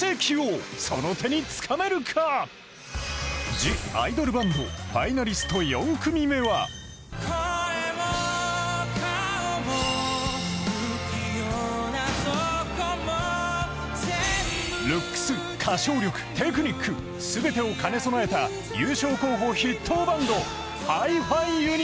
「ＴＨＥＩＤＯＬＢＡＮＤ」ファイナリスト４組目はルックス、歌唱力、テクニック、全てを兼ね備えた優勝候補筆頭バンドＨｉ−ＦｉＵｎ！